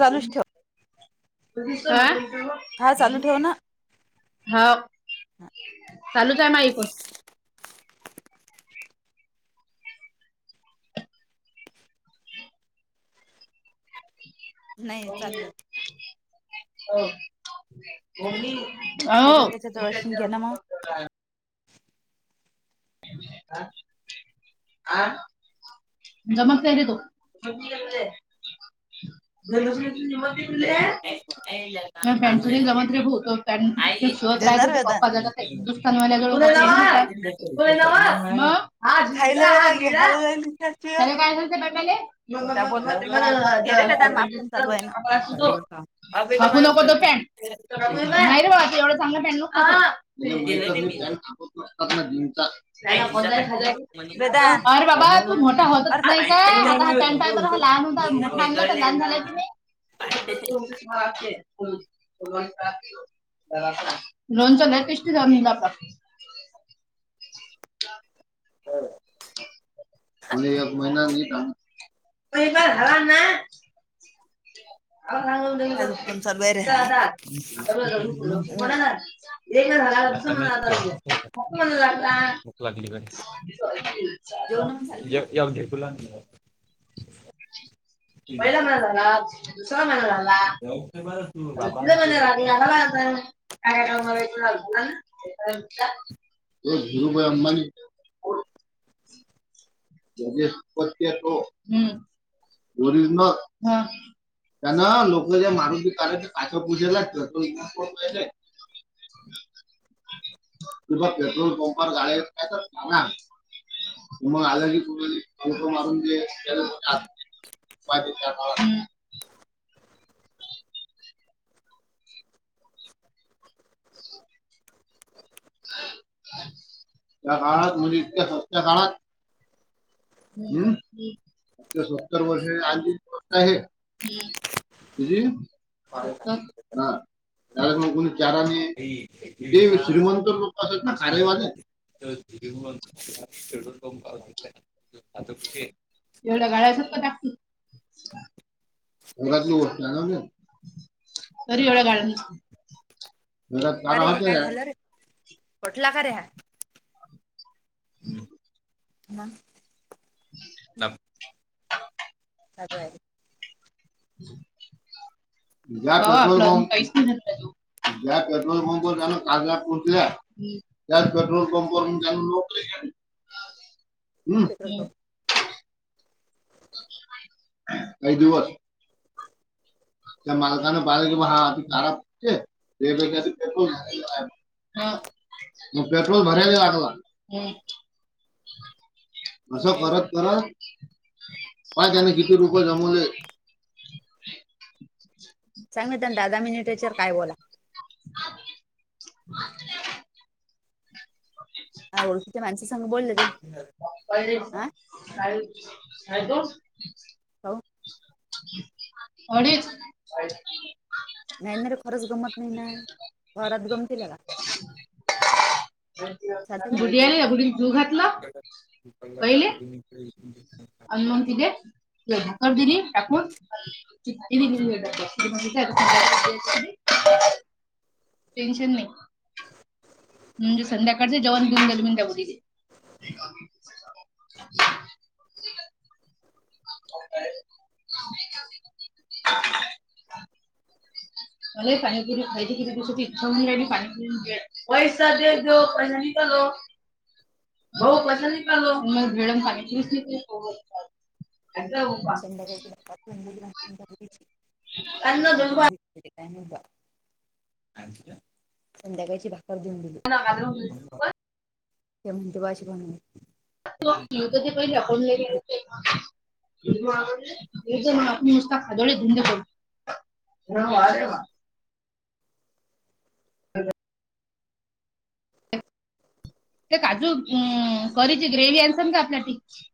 चालूच ठेव हा. हा चालू ठेव ना हाव चालूच आहे मा इकून.. हो नाही चालू [unintelligible] आहे मम्मी मी त्याला त्याच्या जवळशी घे ना [unintelligible] मग आ [unintelligible] नमक रे तू ज लक्ष्मी त मले [unintelligible] म प्यांडच नाही जमात रे भाऊ प्यांडच शिवत राहत देणार ते वेदा पप्पा ज दुकान वाल्या जवळुन ना मग हा झु खायला हा वेळेला झिरा घ्यायला जाईल विचारची त्याग काय असलते बघाले [unintelligible] मग त्या मग बोलतात ते का? तुम्हाला दे रे वेदा माप पण चालू आहे ना अबे तर तुलाोाकू मला नको तो प्रश्न पॅनट [unintelligible] नाही रे एवढ्या चांगल्या प्यांट नको दिलं काढु नाही मी त्याले जर. माहितच नाही [unintelligible] आई त्यांना पंस खिसा फाटली मला म्हणे. वेदा हजार अरे बाबा तू मोठा होतच अर्थ नाही आई का खिसा आता हा काय पॅन्ट [unintelligible] पाय लहान मोठया आणनला तर लहान झाल्या की नाही. अ [unintelligible] [unintelligible] लोनच लय टेस्टी झालं [unintelligible] जा आप तर [unintelligible] एक महिना नाही काम महिना झाला न.. हो [unintelligible] अ फोन चालू आहे रे हा सांग आात आता पण मी आहात [unintelligible] े का झा दस म्हण भूक म म्हण [unintelligible] जवन येवद कुला [unintelligible] व म झाला [unintelligible] स मन राला अ तिित मन बाबांचे राग- रा आला आ [unintelligible] [inaudible] भीरुभई अंबानी [unintelligible] ज पतोरंद [unintelligible] त्यान लोक जे मारुती कार काच्या पूजे लाटत तो इहि [unintelligible] ह [inaudible] तु पेट्रोल पंपवर गाड काय तर राणार [unintelligible] उ मग अलग [unintelligible] मारून [unintelligible] त्या काळात म्हणजे इतक्या सस्त्या काळात. हम्म आ सत्तर वर्षाच्या आधीची गोष्ट आहे हे. पाय- या को चारा म [unintelligible] अ एकती [unintelligible] [inaudible] लोकत ना खाेवाले [unintelligible] तरढून कम पाऊ हो आता कुठे [unintelligible] एवढ्या गाड्यास का टाकुण घरातली गोष्ट आहे ना.. तरी एवढं गाडया अरे काय झालं रे [inaudible] [inaudible] [inaudible] [inaudible] [inaudible] त्यात पेट्रोल पंपवरून त्यांन नोकली केली. काही दिवस. त्या मालकान बाहेर गाडया [unintelligible] खराब म पेट्रोल भरायला लागला. असं शिंगाले. करत करत पाय त्यान किती रुपये जमवले. [inaudible] [unintelligible] सांग म त्यां दध मिनिटेर काय बोला [inaudible] ओळखीच्या माणस सांग बोललं ते हा [inaudible] हो [inaudible] नाही ना रे खरंच गमत नाही ना घरात गमतील त्याला बुढी आली गुढीन जू घातला का पडला पहिले [unintelligible] [inaudible] [unintelligible] [inaudible] टेन्शन नाही म्हणजे संध्याकाळचं जेवण घन गल म त्यावर [inaudible] [inaudible] [inaudible] [inaudible] [inaudible] संध्याकाळीची त्यांना दुर्गा [inaudible] काय संध्याकाळची भाकर घऊन दिली घालून ते म्ह ते भाषपण [inaudible] [inaudible] [inaudible] [inaudible]